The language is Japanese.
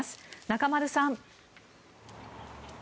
中丸さん。